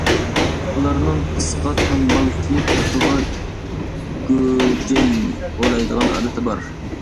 ئۇلارنىڭ قىسقا تامبال كىيىپ، پۇتىغا گوجەي ئورايدىغان ئادىتى بار.